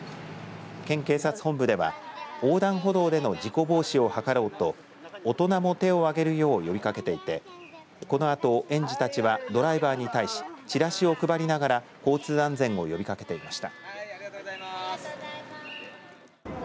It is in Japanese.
県警察本部では横断歩道での事故防止を図ろうと大人も手を上げるよう呼びかけていてこのあと園児たちはドライバーに対しチラシを配りながら交通安全を呼びかけていました。